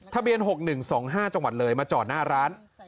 ทะเบียน๖๑๒๕จังหวัดเลยมาจอดหน้าร้าน